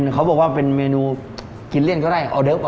เขาบอกว่าเป็นเมนูกินเลียนก็ได้ออเดิฟอ